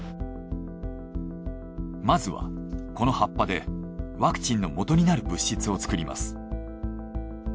まずはこの葉っぱでワクチンのもとになる物質を作ります。